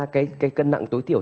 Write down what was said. thì ra cái cân nặng tối thiểu